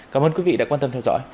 cảm ơn quý vị đã quan tâm theo dõi